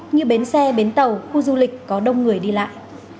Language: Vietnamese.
như bến xe bến tàu khu du lịch có đông người đi lại